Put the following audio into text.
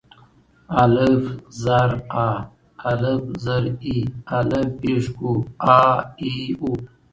الپ زر آ، الپ زر اي، الپ پېښ أو آآ اي او.